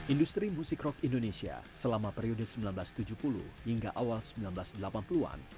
industri musik rock indonesia selama periode seribu sembilan ratus tujuh puluh hingga awal seribu sembilan ratus delapan puluh an